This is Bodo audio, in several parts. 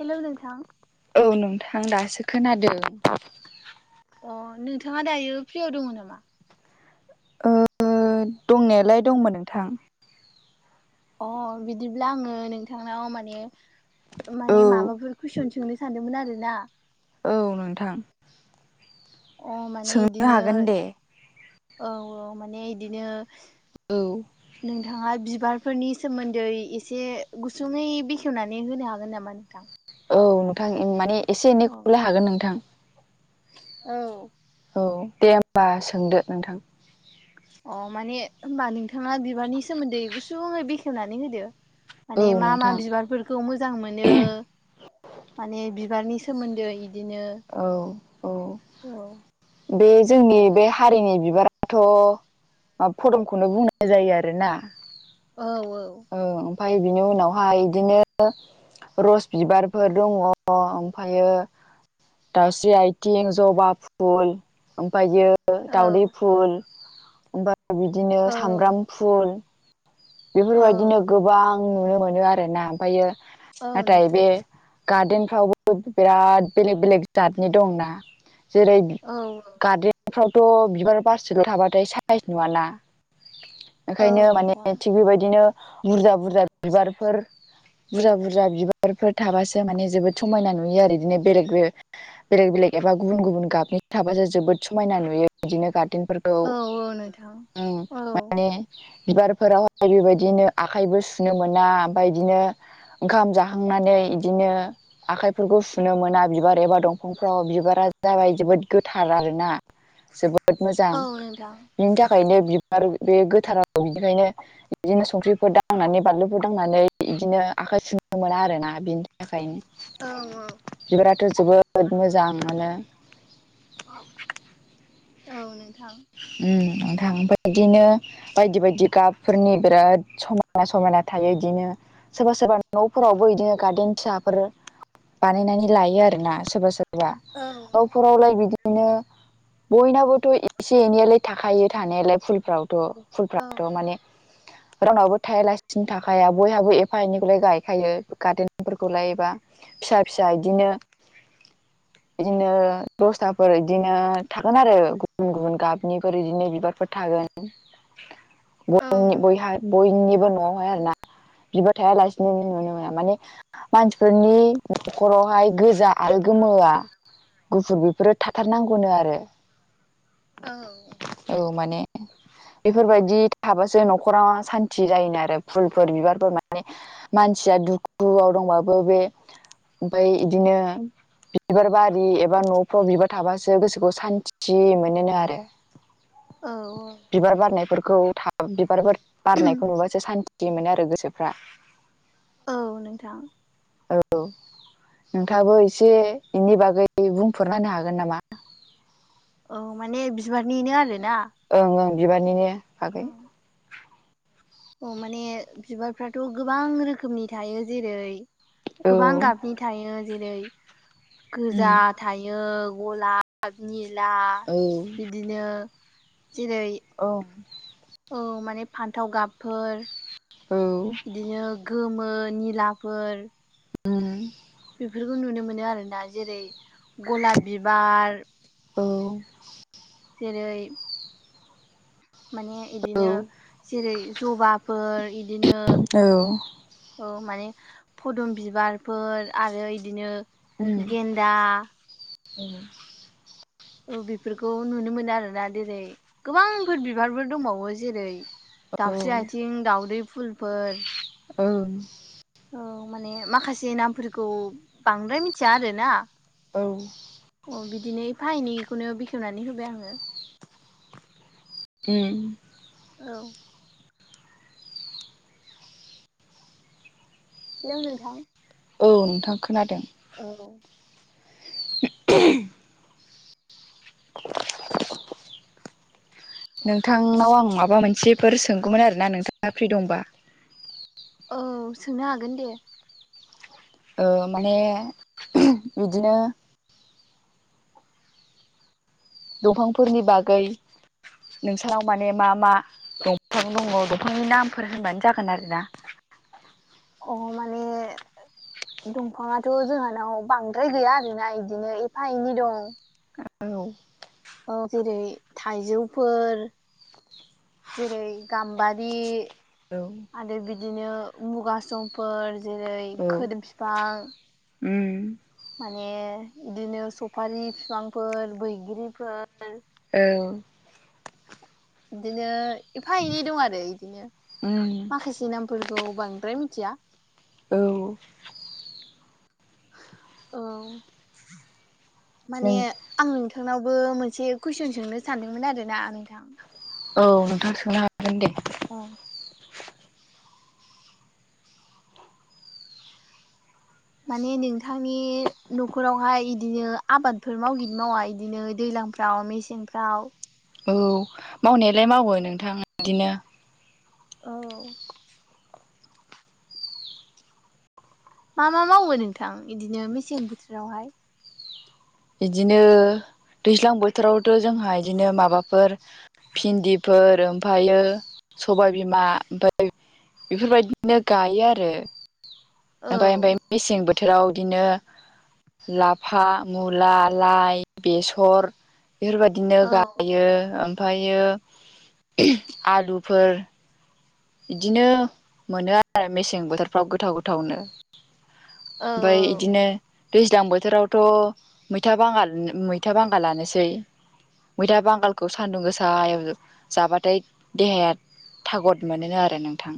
हेलौ नोंथां औ नोंथां दासो खोनादों अ नोंथाङा दायो फ्रियाव दङ नामा ओ दंनायालाय दंमोन नोंथां अ बिदिब्ला आङो नोंथांनाव माने औ माने माबाफोर कुइसन सोंनो सानदोंमोन आरो ना औ नोंथां अ माने सोंनो इदिनो हागोन दे औ औ माने इदिनो औ नोंथाङा बिबार फोरनि सोमोन्दै एसे गुसुङै बेखेवनानै होनो हागोन नामा नोंथां औ नोंथां माने एसे एनै औ खौलाय हागोन नोंथां औ औ दे होमबा सोंदो नोंथां अ माने होनोमबा नोंथाङा बिबारनि सोमोन्दै गुसुङै बेखेवनानै होदो औ माने मा मा नोंथां बिबारफोर खौ मोजां मोनो माने बिबारनि सोमोन्दै इदिनो औ औ औ बे जोंनि बे हारिनि बिबाराथ' [unintelligible] फदमखौनो बुंनाय जायो आरोोना औ औ औ ओमफ्राय बिनि उनावहाय इदिनो रस बिबारफोर दङ ओमफायो दाउस्रि आथिं जबा फुल ओमफायो दावदै औ फुल ओमफाय बिदिनो औ सामब्राम फुल औ बेफोरबायदिनो गोबां नुनो मोनो आरोना ओमफायो औ नाथाय नोंथां बे गार्देन फ्रावबो बिराद बेलेग बेलेग जातनि दंना जेरै औ गार्देनफ्रावथ' बिबार बारसेल' थाबाथाय साइस नुवाना औ ओंखायनो नोंथां माने थिग बेबायदिनो बुरजा बुरजा बिबारफोर बुरजा बुरजा बिबारफोर थाबासो माने जोबोद समायना नुयो आरो बिदिनो बेलेग बेे बेलेग बेलेग एबा गुबुन गुबुन गाबनि थाबासो जोबोद समायना नुयो बिदिनो गार्देनफोरखौ औ औ नोंथां उम औ माने बिार फोरावहाय बेबायदिनो आखाइबो सुनो मोना ओमफाय इदिनो ओंखाम जाखांनानै इदिनो आखाइफोरखौ सुनो मोना बिबार एबा दंफांफ्राव बिबारा जाबाय जोबोद गोथार आरोना जोबोद मोजां औ नोंथां बिनि थाखायनो बिबार बे गोथाराव बिनिखायनो इदिनो संख्रिफोर दांनानै बानलुफोर दांनानै इदिनो आखाइ सुनो मोना आरोना बि बिनि औ औ थाखायनो बिबाराथ' जोबोद मोजां मोनो औ नोंथां उम नोंथां ओमफ्राय बिदिनो बायदि बायदि गाबफोरनि बिराद समाय समायना समायना थायो इदिनो सोरबा सोरबा न'फोरावबो इदिनो गार्देन फिसाफोर बानायनानै लायो आरोना सोरबा सोरबा औ नफोरावलाय बिदिनो बयनाबोथ' एसे एनैयालाय थाखायो थानायालाय फुलफ्रावथ' औ फुलफ्राथ' माने [inaudible] रावनावबो थायालासिनो थाखायाया बयहाबो एफा एनैखौलाय गायखायो गार्देनफोरखौलाय एबा फिसा फिसा इदिनो गदिनो दसथाफोर इदिनो थागोन आरो गुबुन गुबुन गाबनिफोर बिदिनो बिबारफोर थागोन औ बय नोंथां हा बयनिबो न'आवहाय आरोना बिबो थाया लासिनो नुनो मोना माने मानसिफोरनि न'खरावहाय गोजा आरो गोमोआ गुफुर बेफोरो थाथारनांगौनो आरो औ औ माने बेफोरबायदि थाबासो न'खरा सान्ति जायोनो आरो फुलफोर बिबारफोर माने मानसिया दुखुआव दंबाबो बे ओमफ्राय बिदिनो बिबार बारि एबा न'फ्राव बिबार थाबासो गोसोखौ सान्थि मोनोनो आरो औ-औ बिबार बारनायफोरखौ थाब बिबार बारनायखौ नुबासो सान्थि मोनो आरो गोसोफ्रा औ नोंथां औ नोंथाङाबो एसे बेनि बागै बुंफोरना होनो हागोन नामा औ माने बिबारनिनो आरो ना ओं-ओं बिबारनि आगै अ माने बिबारफ्राथ' गोबां रोखोमनि थायो जेरै औ गोबां गाबनि थायो जेरै औ गोजा थायो गलाब गाब निला औ बिदिनो जेरै औ औ माने फान्थाव गाबफोर औ बिदिनो गोमो निलाफोर ओम बेफोरखौ नुनो मोनो आरोना जेरै गलाब बिबार औ जेरै माने इदिनो जेरै जबाफोर इदिनो [unintelligible] औ माने फदुम बिबारफोर आरो इदिनो उम गेन्दा [unintelligible] औ बेफोरखौ नुनो मोनो आरोना जेरै गोबांफोर बिबारफोर दंबावो जेरै दाउस्रि आथिं दाउदै फुलफोर औ औ माने माखासे नामफोरखौ बांद्राय मिथिया आरोना औ अ बिदिनो एफा एनैखौनो बेखेवनानै होबाय आङो उम औ हेलौ नोंथां औ नोंथां खोनादों औ [inaudible] [inaudible] नोंथांनाव आं माबा मोनसेफोर सोंगौमोन आरोना नोंथाङा फ्रि दंबा औ सोंनो हागोन दे ओ माने बिदिनो दंफांफोरनि बागै नोंसानाव माने मा मा दंफां दङ दंफांनि नामफोर होनबानो जागोन आरोना अ माने दंफाङाथ' जोंहानाव बांद्राय गैया आरोना बिदिनो एफा एनै दं औ औ जेरै थाइजौफोर जेरै गाम्बारि औ आरो बिदिनो मुगा समफोर जेरै औ खोदोम बिफां उम माने बिदिनो सफारि बिफांफोर बैग्रिफोर औ बिदिनो एफा एनै दं आरो इदिनो उम माखासे नाम फोरखौ बांद्राय मिथिया औ औ नों माने आं नोंथांनावबो मोनसे कुइसन सोंनो सानदोंमोन आरोना नोंथां औ नोंथां सोंनो हागोन दे अ माने नोंथांनि न'खरावहाय इदिनो आबादफोर मावगोन ना मावा बिदिनो दैज्लांफोर राव मेसेंफ्राव औ मावनायालाय मावो नोंथां बिदिनो औ मा मा मावो नोंथां बिदिनो मेसें बोथोरावहाय बिदिनो दैज्लां बोथोर बोथोरावथ' जोंहा बिदिनो माबाफोर भिन्दिफोर ओमफ्रायो सबाय बिमा ओमफाय बेफोरबायदिनो गायो आरो औ ओमफाय ओमफ्राय मेसें बोथोराव बिदिनो लाफा मुला लाइ बेसर बेफोरबायदि नो औ गायो ओमफ्रायो आलुफोर बिदिनो मोनो आरो मेसें बोथोरफ्राव गोथाव गोथावनो औ ओमफाय बिदिनो दैज्लां बोथोरावथ' मैथा बांगाल मैथा बांगालानोसै मैथा बांगालखौ सान्दुं गोसायाव जाबाथाय देहाया थागद मोनो आरो नोंथां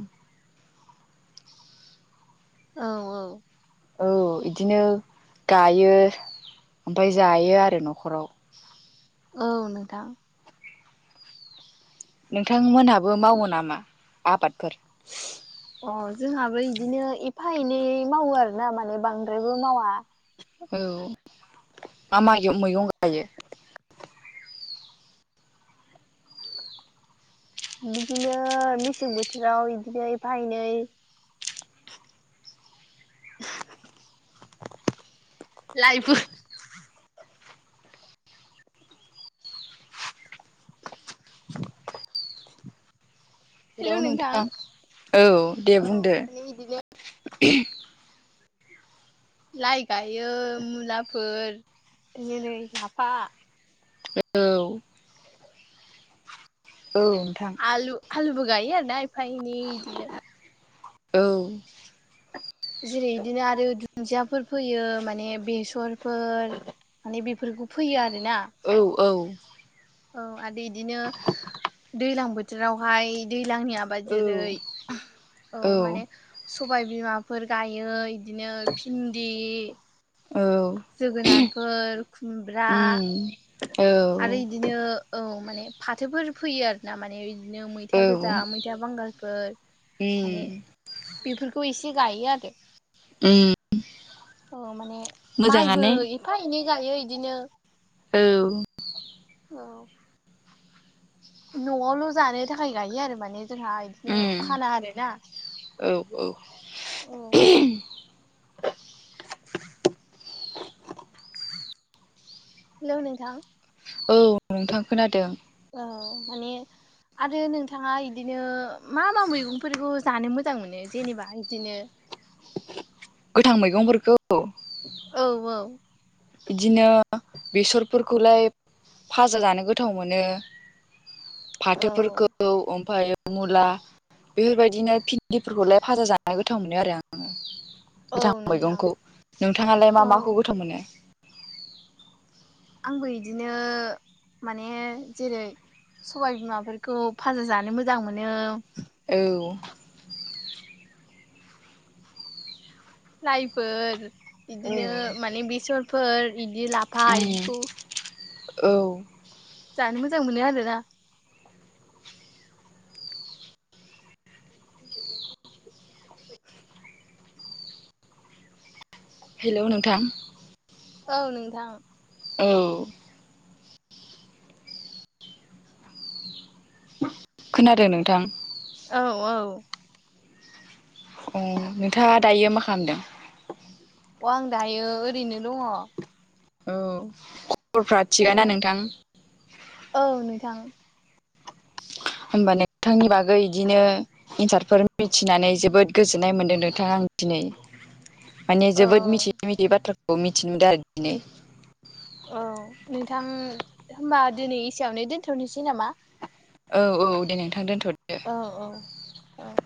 औ औ औ इदिनो गायो ओमफ्राय जायो आरो न'खराव औ नोंथां नोंथांमोनहाबो मावो नामा आबादफोर अ जोंहाबो इदिनो एफा एनै मावो आरोना माने बांद्रायबो मावा औ मा मा मैगं गायो [inaudible] बिदिनो मेसें बोथोराव बिदिनो एफा एनै [inaudible] लाइफ हेलौ नोंथां औ दे औ बुंदो माने बिदिनो लाइ गायो मुलाफोर जेरै लाफा औ औ नोंथां आलु आलुबो गायो आरोना एफा एनै इदिनो औ जेरै इदिनो आरो दुन्दियाफोर फैयो माने बेसरफोर माने बेफोरखौ फैयो आरोना औ औ औ आरो इदिनो दैज्लां बोथोरावहाय दैज्लांनि आबाद औ जेरै औ माने सबाय बिमाफोर गायो बिदिनो भिन्दि औ जोगोनारफोर खुमब्रा उम औ बिदिनो औ माने फाथोफोर फैयो आरोना माने बिदिनो मैथा औ गोजा मै था बांगालफोर उम माने बेफोरखौ एसे गायो आरो। उम औ माने माइबो मोजाङानो एफा एनै गायो इदिनो औ औ न'आवल' जानो थाखाय गायो आरो माने जोंहा इदि नो फाना आरो ना औ [inaudible] हेलौ नोंथां औ नोंथां खोनादों औ माने आरो नोंथाङा इदिनो मा मा मैगंफोरखौ जानो मोजां मोनो जेनेबा इदिनो गोथां मैगंफोरखौ औ औ बिदिनो बेसरफोरखौलाय भाजा जानो गोथाव मोनो औ फाथोफोरखौ ओमफायो मुला बेफोरबायदिनो भिन्दिफोरखौलाय फाजा जानो गोथाव मोनो आरो आङो। औ गोथां नोंथां मैगंखौ नोंथाङालाय मा औ माखौ गोथाव मोनो आंबो इदिनो माने जेरै सबाइ बिमाफोरखौ फाजा जानो मोजां मोनो औ लाइफोर औ बिदिनो माने बेसरफोर इदि लाफ उम औ जानो मोजां मोनो आरोना [inaudible] हेल' नोंथां औ नोंथां औ खोनादों नोंथां औ औ अ नोंथाङा दायो मा खालामदों अ आं दायो ओरैनो दङ औ खबरफ्रा थिगा ना नोंथां औ नोंथां होमबा नोंथांनि बागै इदिनो एन्सारफोर मिथिनानै जोबोद गोजोननाय मोनदों नोंथां आं दिनै माने औ जोबोद मिथियै मिथियै बाथ्राफोरखौ मिथिनो मोनदों आरो दिनै औ नोंथां होमबा दिनै एसेयावनो दोनथ'निसै नामा औ औ दे नोंथां दोनथ' औ औ औ